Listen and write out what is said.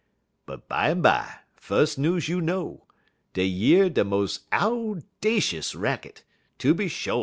"But bimeby, fus' news you know, dey year de mos' owdashus racket, tooby sho'.